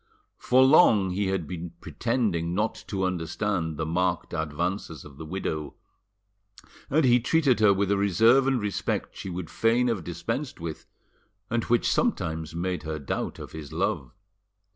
For long he had been pretending not to understand the marked advances of the widow, and he treated her with a reserve and respect she would fain have dispensed with, and which sometimes made her doubt of his love.